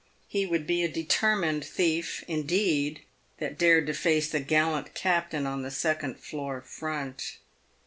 He would be a determined thief, indeed, that dared to face the gallant captain on the second floor front.